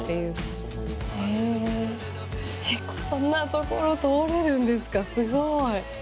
こんな所通れるんですかすごい。